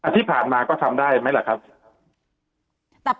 ที่ผ่านมาก็ทำได้ไหมล่ะครับ